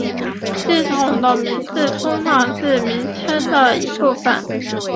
系统的名字通常是名称的一部分。